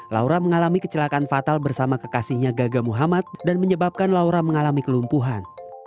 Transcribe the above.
laura mengalami kecelakaan fatal bersama kekasihnya gaga muhammad dan menyebabkan laura mengalami kelumpuhan